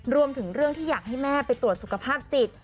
รวมถึงเรื่องที่อยากให้แม่ไปตรวจสุขภาพจิต